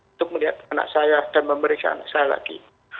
untuk melihat anak saya dan memeriksa anak saya lagi